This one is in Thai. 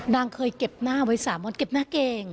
นางเคยเก็บหน้าไว้๓วันเก็บหน้าเก่ง